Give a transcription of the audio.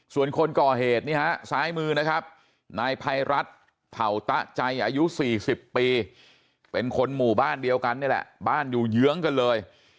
ส่วนคนก่อเหตุนี่ฮะซ้ายมือนะครับนายภัยรัฐเผ่าตะใจอายุ๔๐ปีเป็นคนหมู่บ้านเดียวกันนี่แหละบ้านอยู่เยื้องกันเลย